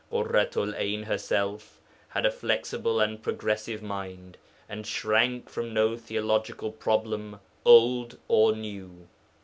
Ḳurratu'l 'Ayn herself had a flexible and progressive mind, and shrank from no theological problem, old or new.